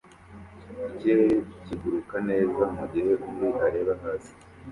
Ikirere kiguruka neza mugihe undi areba hasi